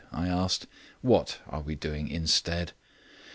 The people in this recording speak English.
I asked. "What are we doing instead?"